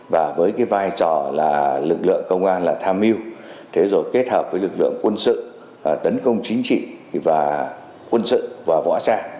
và với cái vai trò là lực lượng công an là tham mưu thế rồi kết hợp với lực lượng quân sự tấn công chính trị và quân sự và võ trang